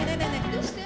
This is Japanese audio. どうして？